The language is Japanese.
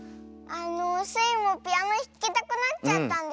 あのスイもピアノひきたくなっちゃったんですけど。